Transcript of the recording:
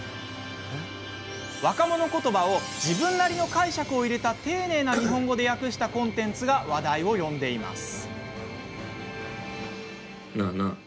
若者言葉を自分なりの解釈を入れた丁寧な日本語で訳したコンテンツが話題を呼んでいます。